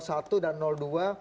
ada satu dan dua